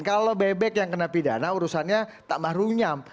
kalau bebek yang kena pidana urusannya tambah runyam